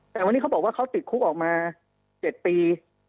แต่วันนี้เขาบอกว่าเขาติดคุกออกมา๗ปี